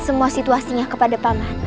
semua situasinya kepada paman